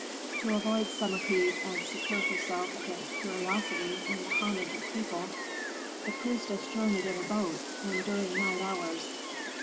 To avoid summer heat and secure herself against curiosity and the homage of people, the priestess journeyed in a boat and during night hours.